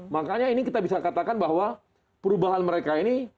makanya ini kita bisa katakan bahwa perubahan mereka ini